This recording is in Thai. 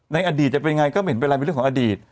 ในอดีตจะเป็นยังไงก็ไม่เห็นเป็นไรเป็นเรื่องของอดีต